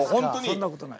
そんなことない。